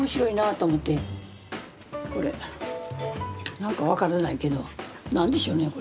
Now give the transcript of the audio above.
何か分からないけど何でしょうねこれ。